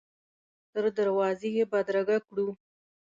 تر دروازې یې بدرګه کړو.